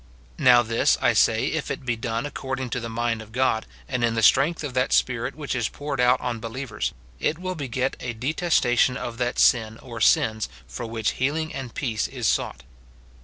Now this, I say, if it be done according to the mind of God, and in the strength of that Spirit which is poured out on believers, it will beget a detesta SIN IN BELIEVERS. 279 tion of that sin or sins for which healing and peace is sought.